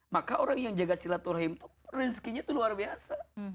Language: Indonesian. maka orang yang menjaga silaturahim tuh rezekinya tuh luar biasa